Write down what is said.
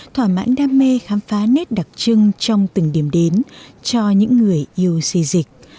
thỏa mãn đam mê khám phá nét đặc trưng trong từng điểm đến cho những người yêu xây dịch